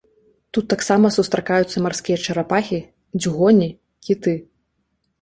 Тут таксама сустракаюцца марскія чарапахі, дзюгоні, кіты.